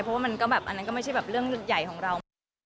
เพราะว่าอันนั้นก็ไม่ใช่เรื่องใหญ่ของเรา